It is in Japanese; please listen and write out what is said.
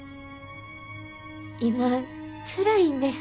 今つらいんです。